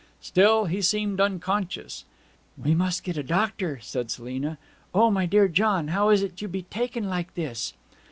Still he seemed unconscious. 'We must get a doctor,' said Selina. 'O, my dear John, how is it you be taken like this?'